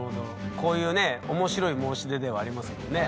こういうね面白い申し出ではありますもんね。